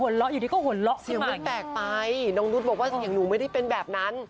อ้อมันห๑๔๐เหมือนร้อยก็หวานรอบน้องรุ๊ตบอกว่าเสียงหนูไม่ได้เป็นแบบนั้น